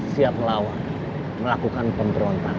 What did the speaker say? siap melawan melakukan pemberontakan